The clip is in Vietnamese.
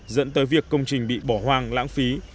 dẫn tới việc công trình bị bỏ hoang lãng phí